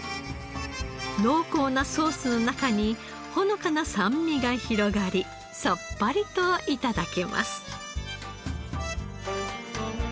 濃厚なソースの中にほのかな酸味が広がりさっぱりと頂けます。